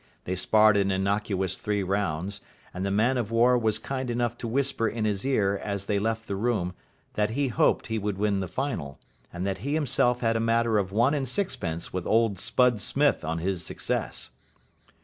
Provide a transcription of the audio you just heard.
They sparred an innocuous three rounds, and the man of war was kind enough to whisper in his ear as they left the room that he hoped he would win the final, and that he himself had a matter of one and sixpence with Old Spud Smith on his success.